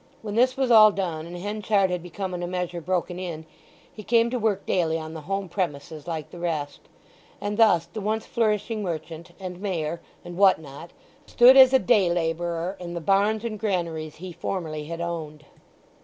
When this was all done, and Henchard had become in a measure broken in, he came to work daily on the home premises like the rest. And thus the once flourishing merchant and Mayor and what not stood as a day labourer in the barns and granaries he formerly had owned.